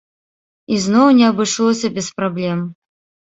І зноў не абышлося без праблем.